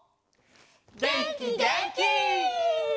げんきげんき！